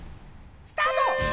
スタート！